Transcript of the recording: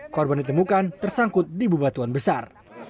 korban ditemukan tersangkut di bebatuan besar